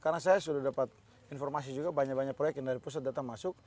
karena saya sudah dapat informasi juga banyak banyak proyek yang dari pusat datang masuk